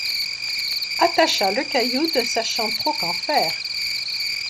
Attacha le caillou, ne sachant trop qu'en faire